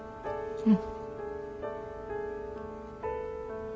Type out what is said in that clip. うん。